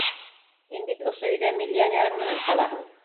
Һин бит ошо өйҙә миллионерың менән ҡалаһың!